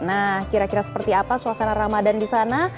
nah kira kira seperti apa suasana ramadan di sana